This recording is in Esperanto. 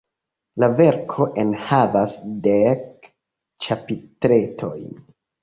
La verko enhavas dek ĉapitretojn.